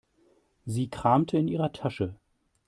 Sie kramte in ihrer Tasche.